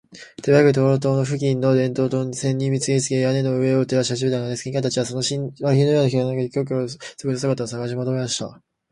手早く探照燈を付近の電燈線にむすびつけ、屋根の上を照らしはじめたのです。警官たちは、その真昼のような光の中で、キョロキョロと賊の姿をさがしもとめました。